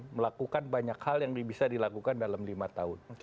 melakukan banyak hal yang bisa dilakukan dalam lima tahun